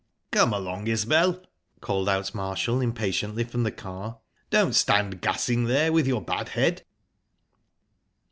"Come along, Isbel!" called out Marshall impatiently from the car. "Don't stand gassing there, with your bad head."